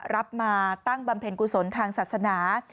รับมาตั้งบำเพ็ญกุศลทางศาสนา